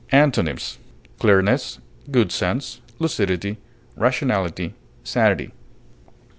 Antonyms: clearness, good sense, lucidity, rationality, sanity.